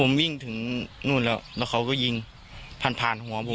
ผมวิ่งถึงทุกคนแล้วแล้วเขาก็วิ่งผ่านผ่านหัวมีคน